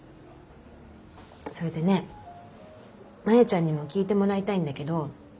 それでねマヤちゃんにも聞いてもらいたいんだけど。